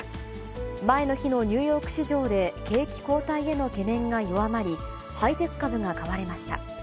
前の日のニューヨーク市場で景気後退への懸念が弱まり、ハイテク株が買われました。